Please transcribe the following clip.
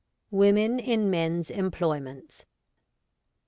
— Women in Men's Employments.